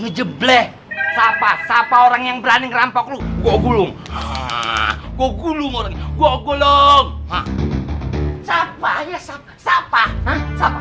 ngejebleh sapa sapa orang yang berani merampok lu gua gulung gua gulung gua gulung sapa ya sapa sapa